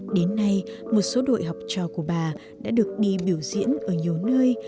đến nay một số đội học trò của bà đã được đi biểu diễn ở nhiều nơi